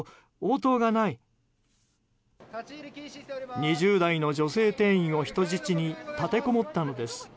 ２０代の女性店員を人質に立てこもったのです。